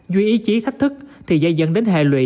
dù ý chí thách thức thì sẽ dẫn đến hệ lụy